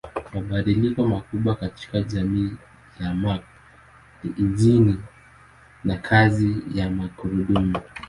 Mabadiliko makubwa katika jamii ya Mark ni injini na kazi ya magurudumu.